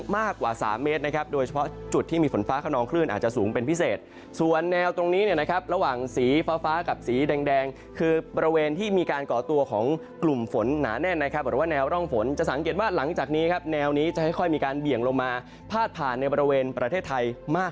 มากกว่า๓เมตรนะครับโดยเฉพาะจุดที่มีฝนฟ้าขนองคลื่นอาจจะสูงเป็นพิเศษส่วนแนวตรงนี้เนี่ยนะครับระหว่างสีฟ้าฟ้ากับสีแดงคือบริเวณที่มีการก่อตัวของกลุ่มฝนหนาแน่นนะครับหรือว่าแนวร่องฝนจะสังเกตว่าหลังจากนี้ครับแนวนี้จะค่อยมีการเบี่ยงลงมาพาดผ่านในบริเวณประเทศไทยมาก